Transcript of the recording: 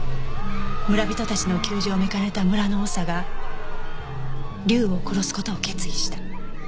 村人たちの窮状を見かねた村の長が竜を殺す事を決意した。